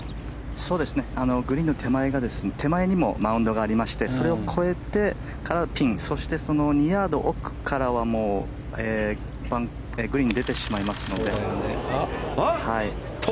グリーンの手前にもマウンドがありましてそれを越えてからピンそして、その２ヤード奥からはグリーンを出てしまいますので。